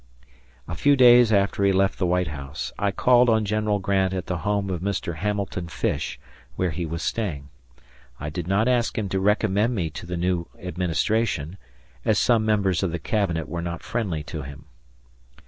A few days after he left the White House, I called on General Grant at the home of Mr. Hamilton Fish, where he was staying. I did not ask him to recommend me to the new administration, as some members of the Cabinet were not friendly to him.